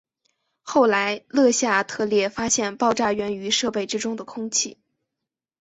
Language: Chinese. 后来勒夏特列发现爆炸缘于设备之中的空气。